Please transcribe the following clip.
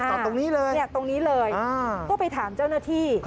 จอดตรงนี้เลยเนี่ยตรงนี้เลยก็ไปถามเจ้าหน้าที่